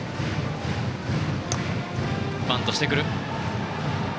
バントしてくる。